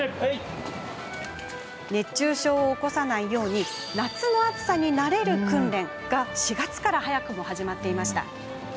熱中症を起こさないように夏の暑さに慣れる訓練が４月から早くも始まっていました。